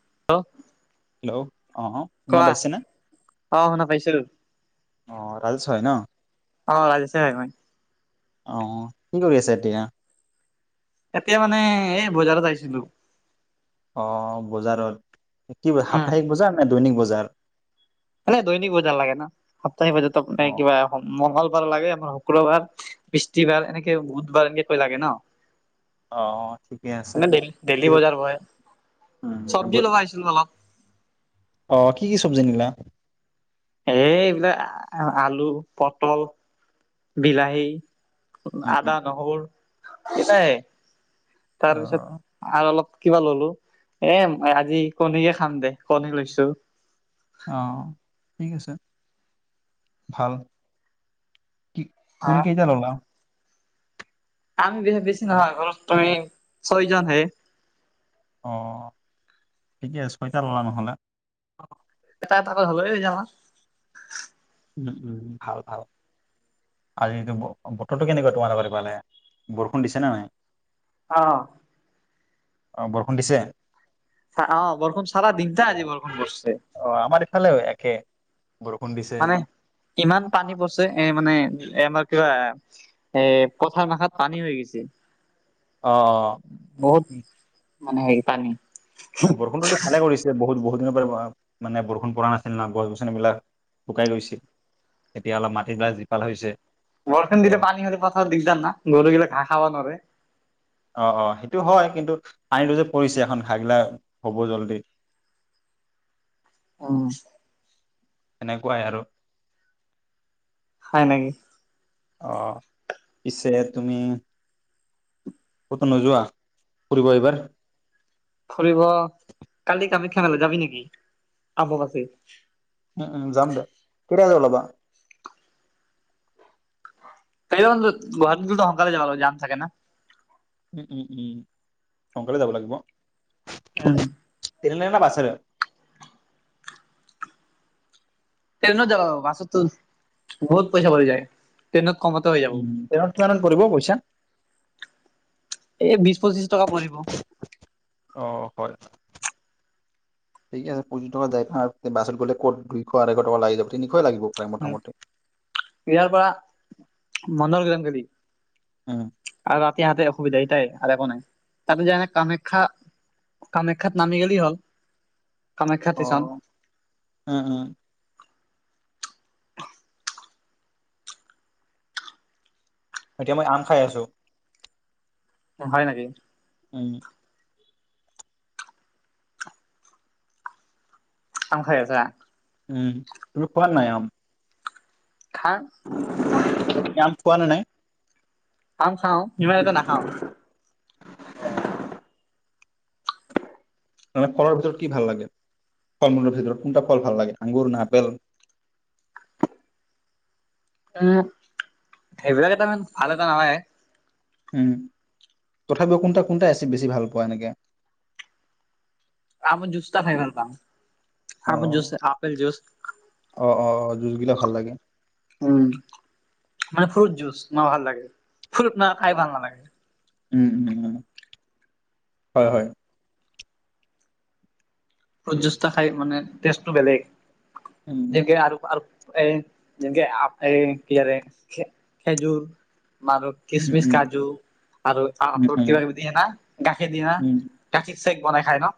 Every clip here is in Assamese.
হেল্ল' হেল্ল' অ শুনা কোৱা পাইছেনে? অঁ শুনা পাইছো অঁ ৰাজেশ হয় ন অ' ৰাজেশে হয় মই অঁ কি কৰি আছা এতিয়া এতিয়া মানে এই বজাৰত আহিছিলো অ' বজাৰত কি বজাৰ উম সাপ্তাহিক বজাৰ নে দৈনিক বজাৰ মানে দৈনিক বজাৰ লাগে না, সপ্তাহিক বাজাৰ তো অ এই কিবা মংগল বাৰ লাগে হয় শুক্ৰবাৰ, বিষ্টিবাৰ এনেকে বুধবাৰ, এনেকে কৈ লাগে অ ঠিকে আছে ন' মানে দেল-দেইলী পিছত বজাৰ বহে, উম চবজি লগাইছিলো অলপ। অ', কি-কি চবজি নিলা? এ, এইবিলাক আলু পতল বিলাহী। উম উম আদা, নহৰু। কেচা হেই। অ তাৰপিছত আৰু অলপ কিবা ল'লো, এ মই আজি কণীয়ে খাম দে, কণী লৈছো। অ', ঠিক আছে, ভাল। কি কণী কেইটা ল'লা। আমি বে-বেছি নহয়, ঘৰত তুমি ছয়জনহে। অ ঠিকে ছয়টা ল'লা নহ'লে। তাত আকৌ হ'লে সেইদিনা খন উম-উম, ভাল-ভাল। আজি দিনটো ব-বতৰটো কেনেকুৱা তোমালোকৰ সেইফালে, বৰষুণ দিছেনে নাই? অ'। অ, বৰষুণ দিছে? অ', বৰষুন চাৰা দিনটা আজি বৰষুণ পৰছে। অ আমাৰ ইফালেও একে বৰষুণ দিছে। মানে ইমান পানী পৰছে এ, মানে। এ আমাৰ কিবা এ, পথাৰ মাখাত পানী হৈ গৈছে, অ বহুত। মানে সেই পানী বৰষুণতো দি ভালে কৰিছে, বহুত-বহুত মানে বৰষুণ পৰা নাছিল নহ গছ-গছনিবিলাক শুকাই গৈছিল, এতিয়া অলপ মাটিবিলাক জীপাল হৈছে। ত বৰষুণ দিলে পানী হ'লে পথাৰ দিগদাৰ না, গৰু গিলাক ঘাঁ খাব নৰে। অ', -অ' সেইটো হয় কিন্তু, পানীটো যে পৰিছে এখন ঘাগিলা হ'ব জলদি। উম। সেনেকুৱাই আৰু। হয় নেকি। অ', পিছে তুমি, ক'ত নোযোৱা ফুৰিব এইবাৰ। ফুৰিব, কালি কামাখ্যা মেলা যাবি নেকি? অম্বুবাচী। উম, উম, যাম দে [unintelligible] ওলাবা? উম, [unintelligible] জাম থাকে না? উম, উম, উম, সোনকালে যাব লাগিব। [unintelligible] [unintelligible] ট্ৰেইনত যাব, বাছতো বহুত পইচা পৰি যায় ট্ৰেইনত কমতে হৈ উম, ট্ৰেইনত কিমানত যাব। পৰিব পইচা? এই বিশ-পঁচিশ টকা পৰিব। অ', হয়, ঠিকে আছে পঁচিশ টকাত যায় আৰু বাছত গ'লে ক'ত দুইশ-আঢ়ৈশ টকা লাগি যাব ঠিক খাবই লাগিব প্ৰায় উম, মোটামুটি ইয়াৰ পৰা মন্দৰ গ্ৰাম উম [unintelligible] ইয়াতে অসুবিধা এইটাই আৰু একো নাই। তাপিছত মানে কামাখ্যা কামাখ্যাত নামি গ'লি হ'ল। কামাখ্যা অ', ষ্টেচন উম, উম, এতিয়া মই আম খাই আছোঁ। অ', হয় নেকি। হম। আম খাই আছা? উম, তুমি খোৱানে নাই আম? খাৰ তুমি আম খোৱা নে নাই? [unintelligible] আম খাও, সিমান এটা নাখাও। মানে ফলৰ ভিতৰত কি ভাল লাগে, ফল মূলৰ ভিতৰত কোনটা ফল ভাল লাগে আঙুৰ না আপেল? এক সেইবিলাক এটা মানে ভাল এটা নহয়। উম, তথাপিও কোনটা কোনটা আছে, বেছি ভাল পোৱা এনেকে? আমৰ জুচতা খাই ভাল পাওঁ, আমৰ অ'। জুচ, আপেল জুচ অ অ অ যুঁজগিলা ভাল লাগে। উম। মানে ফ্ৰুট জুচ ন ভাল লাগে, ফ্ৰুট ন খাই ভাল নালাগে। উম, উম, উম, হয়, হয়। ফ্ৰুট জুচতা খাই মানে তেষ্টো বেলেগ। উম যেকে আৰু আৰু এই যেনকে [unintelligible] এই কিহেৰে কি খেজুৰ মাৰ উম কিচমিচ উম কাজু আৰু আখৰুত, উম কিবা কিবি দিয়ে না গাখীৰ দিয় না উম গাখীৰ চেক বনাই খাই ন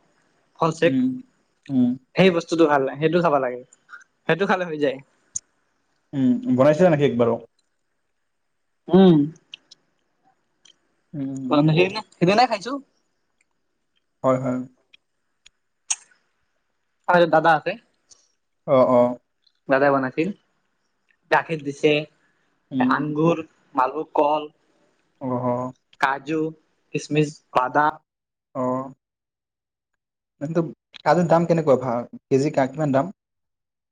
ফল চেক। উম উম সেই বস্তুতটো ভাল নাই। সেইটো চাব লাগে। সেইটো খালে হৈ যায়। যা নাই নেকি একবাৰ? উম উম উম অহ', সেইদিনা -সেইদিনা খাই চো হয় - হয়। আহ', দাদা আছে অ অ দাদাই বনাইছিল গাখীৰ দিছে উম আংগুৰ, মালভোকল, অ অ কাজু, খি, বাদাম। অহ ', কিন্তু কাজুৰ দাম কেনেকুৱা ভা কেজি কিমান দাম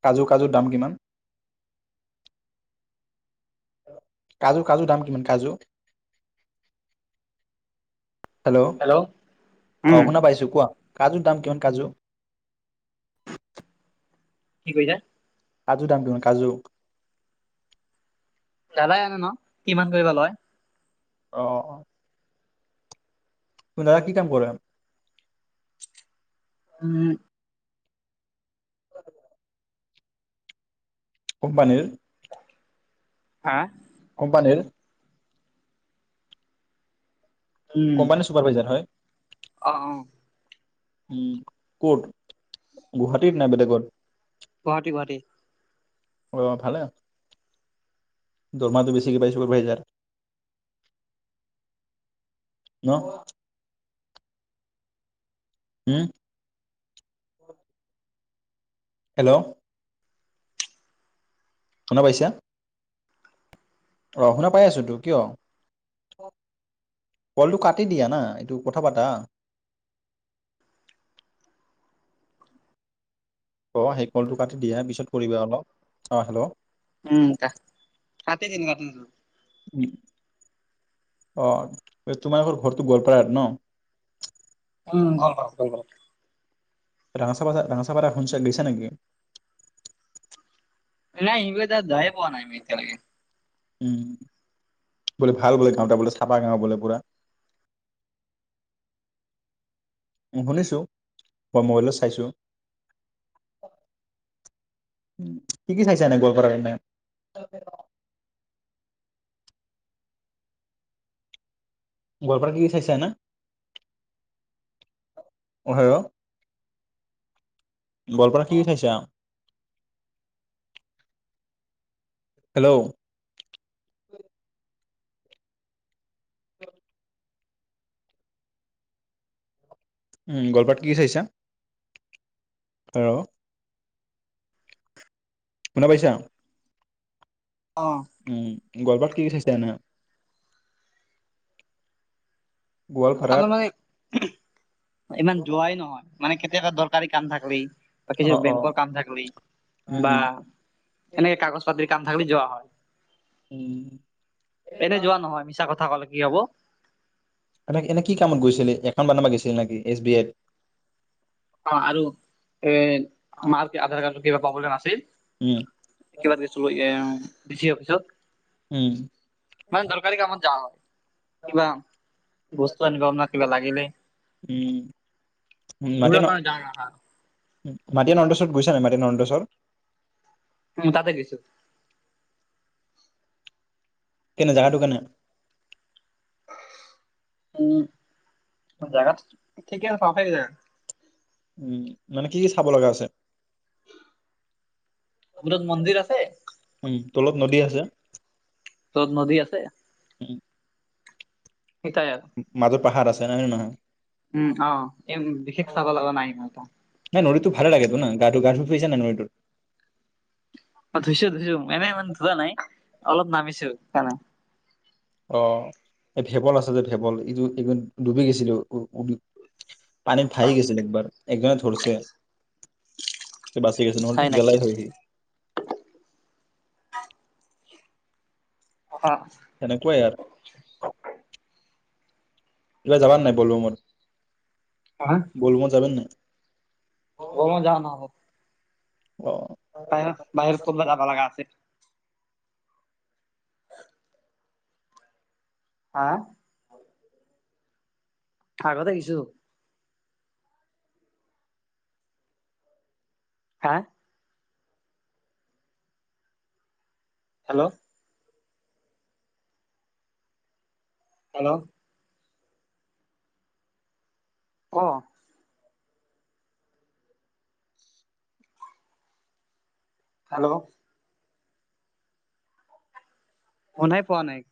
কাজু - কাজুৰ দাম কিমান? কাজুৰ- কাজুৰ দাম কিমান কাজু? হেল্ল', উম অহ ' শুনা পাইছোঁ কোৱা? কাজুৰ দাম কিমান কাজু? কি কৈছা? কাজু দাম ধোন কাজু? দাদাই আনে ন? কিমান কৰিব লয়? অহ - অহ তোমাৰ দাদা কি কাম কৰে? উম কোম্পানীৰ হাহ কোম্পানীৰ কোম্পানীৰ চুপাৰ ভাইজাৰ হয়। অহ ', উম ক'ত গুৱাহাটীত নে বেলেগত? গুৱাহাটী গুৱাহাটী অহ, ভালে দৰমাহাটো বেছিকে পাই ছুপাৰ ভাইজাৰ। নহ উম হেল্ল', শুনা পাইছা? অহ, শুনা পাই আছোতো কিয়? কলটো কাটি দিয়া না, এইটো কথা পাতা। অহ, সেই কলটো কাটি দিয়া পিছত কৰিবা অলপ। অহ হেল্ল', উম ক কাটি দিং ৰহ। অহ'তোমাৰ ঘৰ ঘৰতৰতো গোৱালপাৰ নহ? উম ভাল পাল- ভাল পাল। ৰাঙাচাযা - ৰাঙচাপাৰ এখন গৈছো নেকি? নাই ইব ত যায় পোৱা নাই আমি এতিয়ালকে। উম বোলে ভাল বোলে গাঁওটা বোলে চাফা গাঁও বোলে পুৰা। উম শুনিছো, মই মোবাইলত চাইছো। কি- কি চাইছে এনে গোৱালপাৰাৰ কাৰণে। গোৱালপাৰা কি-কি চাইছে এনে? অ', হেল্ল'। গোৱলপাৰা কি উঠাইছা, হেল্ল'। উম, গলপাত কি চাইিছা? হেল্ল'। শুনা পাইছা? অ উম। গোৱালপাৰাত কি কি চাইছা? আমাৰ গোৱালপাৰাত মানে ইমান যোৱাই নহয়। মানে কেতিয়াবা এটা দৰকাৰী কাম থাকলি। বা কিছু অ অ বেংকৰ কাম থাকলি উম বা উম এনেকে কাগজ পাতিৰ কাম থাকিলি যোৱা হয়, উম এনে যোৱা নহয় মিছা কথা ক'লে কি হ'ব? কি এনে কি কামত গৈছিলে এখন বনাবা গৈছিল নেকি এছ বি আইত? অ', আৰু এ মাৰ আধাৰ কাৰ্ড কিবা পাবলৈ ন' উম আছিল। একেবাৰে [unintelligible] বেছি অফিচত উম। মান দৰকাৰী কামত যান হয়। কিবা বস্তু আনিবা আপোনাৰ কিবা লাগিলে। উম ঘৰা কাৰণ য ন হা মাটি নন্দচৰত গৈছা নাই মাটি নডছৰ? উ, তাতে কিছু কেনে জাগাটো কেনে? উম, জোগাত ঠিকেই আ ভাফ জো উম, মানে কি কি চাব লগা আছে? আমৰত মন্দিৰ আছে। উম তলত নদী আছে। ত'ত নদী আছে। উম। সটাই আৰু মাজত পাহাৰ আছে নহয়, নহয়। উম, অ', এই বিশেষ চাব লগা নাই ম গম পাওঁ। ভাল লাগে তো ন গা গা পিছা ন' নটো অ', ধুইছো মনেই ইমান ধোৱা নাই অলপ নামিছো সকাৰণে। অ', এই ভেবল আছে যে ভেবল এইটো এই ডুবি গৈছিলো। পানীত ভাইি গৈছিল একবাৰ একজনে ধৰছে। বাচি গৈছে নহ'লেতো হয় নেকি গেলাই হয়হি। অ' তেনেকুৱাই আৰু এইবাৰ যাবান নাই বলোঙত বলোঙত যাবান নাই অঁ যাম অঁ অ'। বাই বাইৰ ওচৰতো যাবা লাগা আছে হাঁ আগত আহিছো হাঁ হেল্ল' হেল্ল' অঁ হেল্ল' শুনাই পোৱা নাই